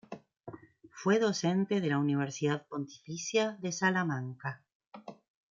Fue docente de la Universidad Pontificia de Salamanca.